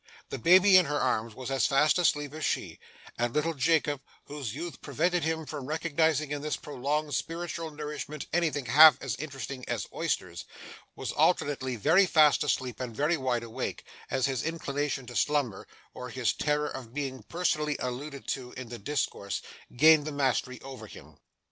The baby in her arms was as fast asleep as she; and little Jacob, whose youth prevented him from recognising in this prolonged spiritual nourishment anything half as interesting as oysters, was alternately very fast asleep and very wide awake, as his inclination to slumber, or his terror of being personally alluded to in the discourse, gained the mastery over him.